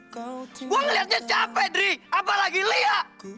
gue ngeliatnya capek diri apa lagi lihat